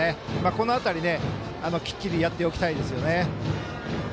この辺り、きっちりやっておきたいですよね。